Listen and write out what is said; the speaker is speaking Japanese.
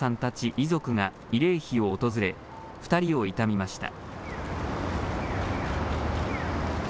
遺族が慰霊碑を訪れ２人を悼みました。